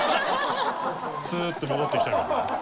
スーッて戻ってきたけど。